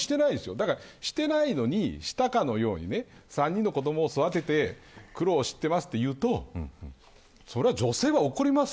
だから、してないのにしたかのように３人の子どもを育てて苦労してますと言うとそれは女性は怒りますよ。